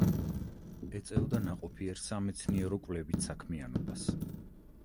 ეწეოდა ნაყოფიერ სამეცნიერო-კვლევით საქმიანობას.